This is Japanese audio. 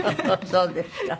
そうですか。